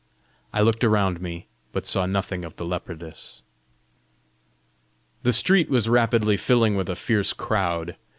I looked around me, but saw nothing of the leopardess. The street was rapidly filling with a fierce crowd.